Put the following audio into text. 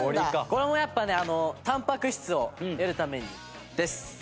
これもやっぱねタンパク質を得るためにです。